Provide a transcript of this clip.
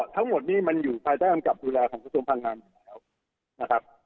ทั้งหมดจะอยู่ภายใจรังกับดูแลของประสูจน์ภาคราม